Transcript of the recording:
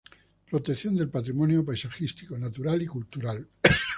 Protección del patrimonio paisajístico, natural y cultural.